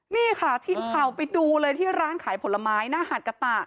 นี่ค่ะทีมข่าวไปดูเลยที่ร้านขายผลไม้หน้าหาดกะตะ